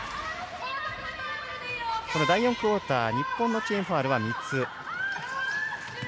第４クオーター日本のチームファウルは３つ。